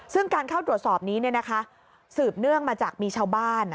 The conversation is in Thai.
ซึ่งการเข้าตรวจสอบนี้สืบเนื่องมาจากมีชาวบ้าน